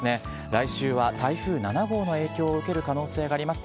来週は台風７号の影響を受ける可能性があります。